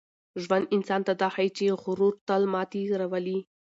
ژوند انسان ته دا ښيي چي غرور تل ماتې راولي.